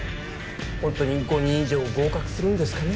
ホントに５人以上合格するんですかね？